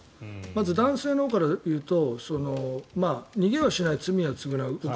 まず男性のほうからいうと逃げはしない、罪は償う。